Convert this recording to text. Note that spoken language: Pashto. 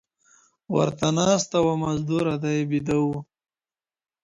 ورته ناسته وه مزدوره دى بيده و